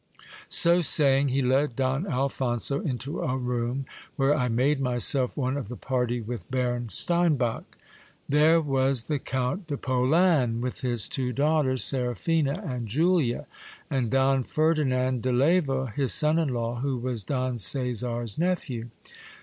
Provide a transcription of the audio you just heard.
So saying, he led Don Alphonso into a room where I made myself one of the party with Baron Steinbach. There was the Count de Polan with his two daughters, Seraphina and Julia, and Don Ferdinand de Leyva, his son in law, who was Don Caesar's nephew.